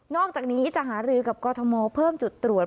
อกจากนี้จะหารือกับกรทมเพิ่มจุดตรวจ